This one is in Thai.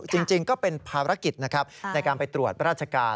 ตรงจริงก็เป็นภารกิจในการไปตรวจราชการ